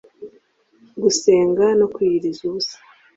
gusenga no kwiyiriza ubusa